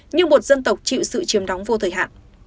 như một dân tộc chịu sự chiếm đóng vô thời hạn